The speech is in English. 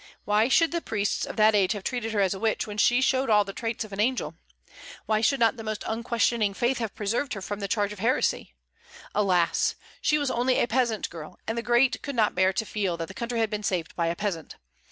Why should the priests of that age have treated her as a witch, when she showed all the traits of an angel? Why should not the most unquestioning faith have preserved her from the charge of heresy? Alas! she was only a peasant girl, and the great could not bear to feel that the country had been saved by a peasant.